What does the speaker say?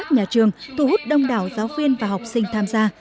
nhà trường thu hút đông đảo giáo viên và học sinh tham gia